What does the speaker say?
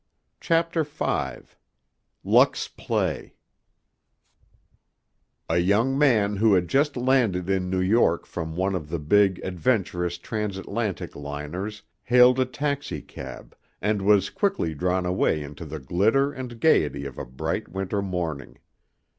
CHAPTER V LUCK'S PLAY A young man who had just landed in New York from one of the big, adventurous transatlantic liners hailed a taxicab and was quickly drawn away into the glitter and gayety of a bright winter morning.